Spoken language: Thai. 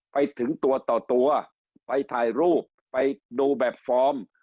ไปถึงตัวต่อตัวไปถ่ายรูปไปดูแบบฟอร์ม